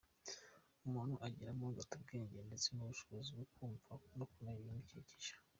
umuntu ageramo agata ubwenge ndetse n’ubushobozi bwo kumva no kumenya ibimukikije